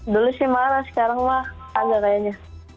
dulu sih marah sekarang mah ada kayaknya